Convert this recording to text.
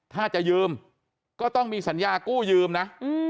ถ้าจะยืมก็ต้องมีสัญญากู้ยืมนะ